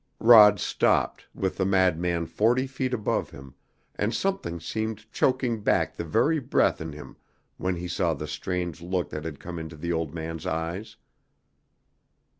Rod stopped, with the madman forty feet above him, and something seemed choking back the very breath in him when he saw the strange look that had come into the old man's eyes.